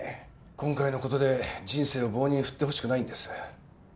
今回のことで人生を棒に振ってほしくないんです